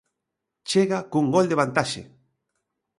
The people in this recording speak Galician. Chega cun gol de vantaxe.